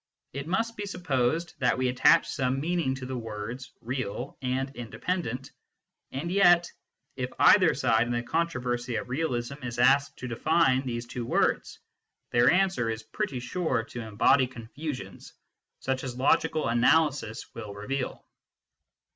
" it must be supposed that we attach some meaning to the words " real " and " independent," and yet, if either side in the controversy of realism is asked to define these two words, their answer is pretty SCIENTIFIC METHOD IN PHILOSOPHY 121 sure to embody confusions such as logical analysis will reveal.